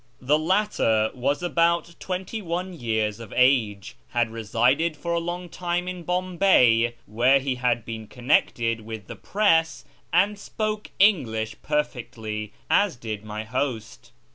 The latter was about tw^enty one years of age, had resided for a long time in Bombay, where he had been connected with the press, and spoke English perfectly, as did my host.